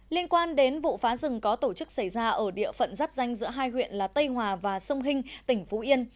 liên quan đến vụ phá rừng có tổ chức xảy ra ở địa phận giáp danh giữa hai huyện là tây hòa và sông hinh tỉnh phú yên